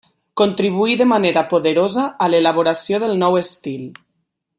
Contribuí de manera poderosa a l'elaboració del nou estil.